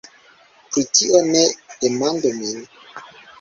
pri tio ne demandu min!